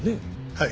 はい。